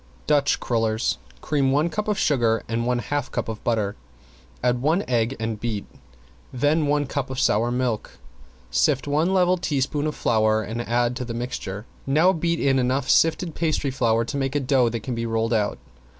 ~DUTCH CRULLERS~ Cream one cup of sugar and one half cup of butter, add one egg and beat, then one cup of sour milk. Sift one level teaspoon of flour and add to the mixture, now beat in enough sifted pastry flour to make a dough that can be rolled out.